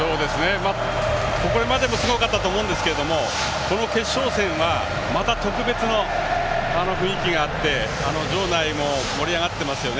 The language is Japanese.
これまでもすごかったと思いますがこの決勝戦はまた特別な雰囲気があって場内も盛り上がっていますね。